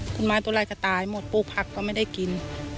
คุณไม้ตัวแรกก็ตายหมดปลูกผักก็ไม่ได้กิน